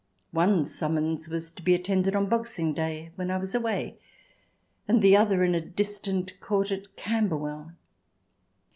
One summons was to be attended on Boxing Day, when I was away, and the other in a distant court at Camber well.